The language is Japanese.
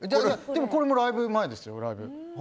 でもこれもライブ前ですよ。